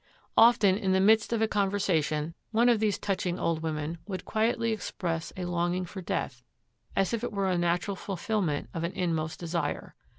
Often, in the midst of a conversation, one of these touching old women would quietly express a longing for death, as if it were a natural fulfillment of an inmost desire.